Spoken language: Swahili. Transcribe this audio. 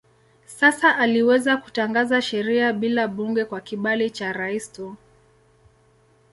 Sasa aliweza kutangaza sheria bila bunge kwa kibali cha rais tu.